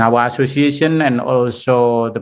dengan asosiasi kami dan juga